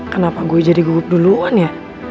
kenapa gue jadi gugup duluan ya